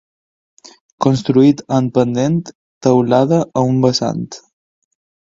Construït en pendent, teulada a un vessant.